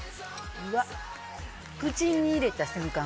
うわ、口に入れた瞬間